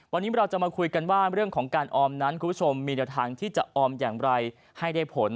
วันนี้เราจะมาคุยกันว่าเรื่องของการออมนั้นคุณผู้ชมมีแนวทางที่จะออมอย่างไรให้ได้ผล